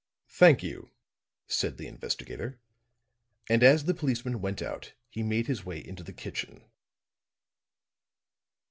"Thank you," said the investigator. And as the policeman went out, he made his way into the kitchen.